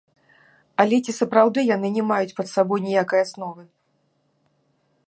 Але ці сапраўды яны не маюць пад сабой ніякай асновы?